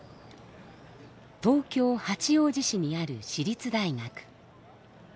東京・八王子市にある私立大学。